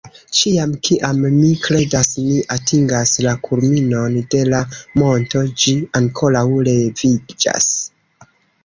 Ĉiam kiam mi kredas ni atingas la kulminon de la monto, ĝi ankoraŭ leviĝas